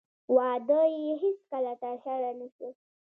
واده یې هېڅکله ترسره نه شو